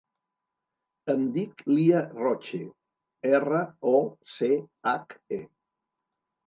Em dic Lya Roche: erra, o, ce, hac, e.